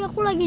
hah masa sih